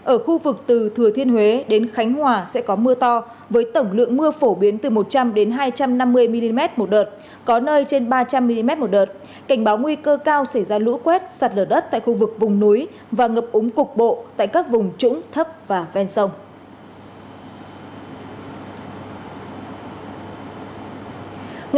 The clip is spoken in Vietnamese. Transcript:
chín một mươi hai ở khu vực từ thừa thiên huế đến khánh hòa sẽ có mưa to với tổng lượng mưa phổ biến từ một trăm linh hai trăm năm mươi mm một đợt có nơi trên ba trăm linh mm một đợt cảnh báo nguy cơ cao xảy ra lũ quét sạt lở đất tại khu vực vùng núi và ngập úng cục bộ tại các vùng trũng thấp và ven sông